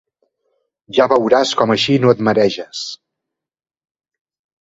Ja veuràs com així no et mareges.